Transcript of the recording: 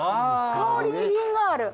香りに品がある。